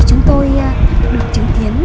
chúng tôi được chứng kiến